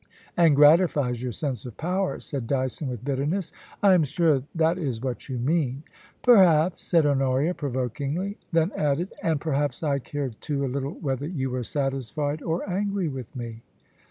*And gratifies your sense of power/ said Dyson with bitterness. * I am sure that is what you mean.' * Perhaps,' said Honoria, provokingly ; then added :* And perhaps I cared, too, a little whether you were satisfied or angry with me.'